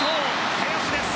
林です！